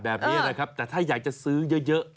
แบบนี้นะครับแต่ถ้าอยากจะซื้อเยอะ